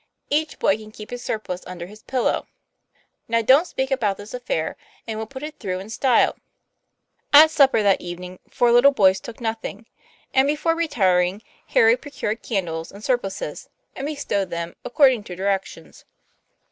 Each boy can keep his surplice under his pillow. Now, don't speak about this affair, and we'll put it through in style." At supper that evening four little boys took noth ing; and before retiring Harry procured candles and surplices, and bestowed them according to direc tions.